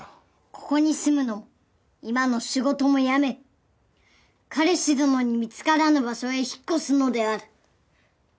ここに住むのも今の仕事も辞め彼氏どのに見つからぬ場所へ引っ越すのである。